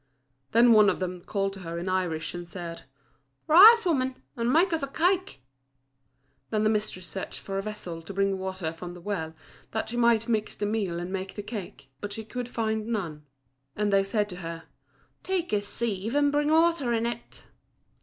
Then one of them called to her in Irish, and said "Rise, woman, and make us a cake." Then the mistress searched for a vessel to bring water from the well that she might mix the meal and make the cake, but she could find none. And they said to her, "Take a sieve and bring water in it."